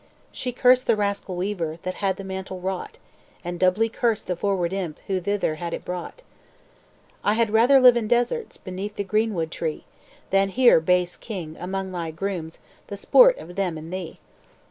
"She cursed the rascal weaver, That had the mantle wrought; And doubly cursed the froward imp Who thither had it brought. I had rather live in deserts, Beneath the greenwood tree, Than here, base king, among thy grooms The sport of them and thee.'